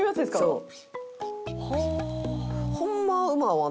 そう。